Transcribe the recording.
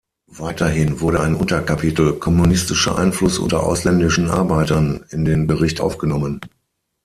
Weiterhin wurde ein Unterkapitel „Kommunistischer Einfluss unter ausländischen Arbeitern“ in den Bericht aufgenommen.